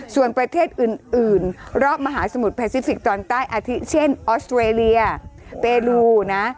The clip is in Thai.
ส่วนประเทศอื่นรอบมหาสมุทรแพซิฟิกสตอนใต้อาทิเช่นออสเตรเลียเตรูนะ